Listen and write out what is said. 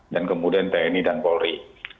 dan kemudian tni dan polri